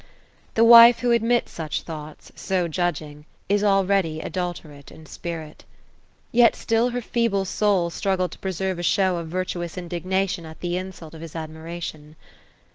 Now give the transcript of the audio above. The wife, who admits such thoughts, so judging, is already adulterate in spirit. Yet still her feeble soul struggled to preserve a show of virtuous in dignation at the insult of his admiration.